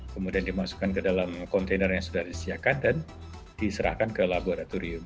kemudian dimasukkan ke dalam kontainer yang sudah disediakan dan diserahkan ke laboratorium